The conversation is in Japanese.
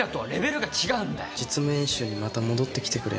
実務演習にまた戻ってきてくれ。